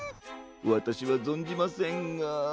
わたしはぞんじませんが。